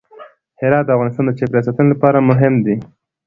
هرات د افغانستان د چاپیریال ساتنې لپاره مهم دي.